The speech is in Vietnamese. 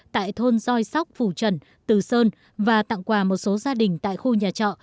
tại thôn doi sóc phù trần từ sơn và tặng quà một số gia đình tại khu nhà trọ